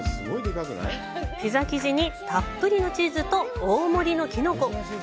ピザ生地にたっぷりのチーズと大盛りのキノコ。